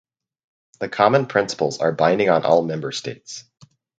The common principles are binding on all Member States.